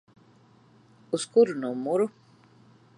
Uz kuru numuru?